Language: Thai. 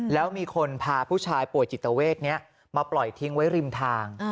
แล้วมีคนพาผู้ชายป่วยจิตเวทนี้มาปล่อยทิ้งไว้ริมทาง